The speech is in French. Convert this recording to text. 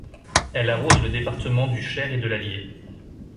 Elle arrose les départements du Cher et de l'Allier.